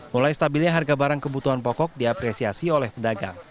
mulai stabilnya harga barang kebutuhan pokok diapresiasi oleh pedagang